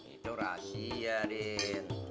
itu rahasia din